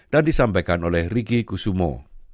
dan disampaikan oleh riki kusumo